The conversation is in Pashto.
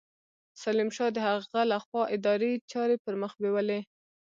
سلیم شاه د هغه له خوا اداري چارې پرمخ بېولې.